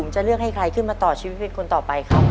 จะเลือกให้ใครขึ้นมาต่อชีวิตเป็นคนต่อไปครับ